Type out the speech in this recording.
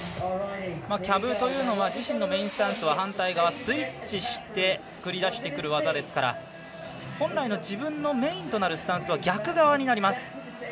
キャブというのは自身のメインスタンスとは逆側スイッチして繰り出してくる技ですから本来の自分のメインのスタンスとは逆側になります。